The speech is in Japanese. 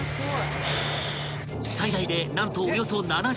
［最大で何とおよそ７Ｇ］